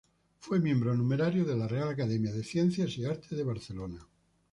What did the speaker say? Fue miembro numerario de la Real Academia de Ciencias y Artes de Barcelona.